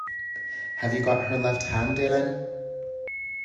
Have you got her left hand, Helene?